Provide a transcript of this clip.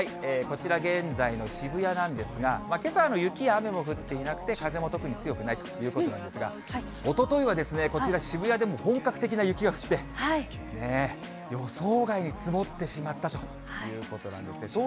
こちら、現在の渋谷なんですが、けさ、雪や雨も降っていなくて風も特に強くないということなんですが、おとといはこちら、渋谷でも本格的な雪が降って、予想外に積もってしまったということなんですね。